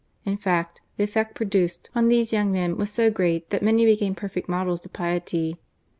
In fact, the effect produced on these young men was so great that many became perfect models of piety.